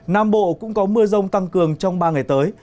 nam bộ cũng có mưa rông tăng cường trong ba ngày tới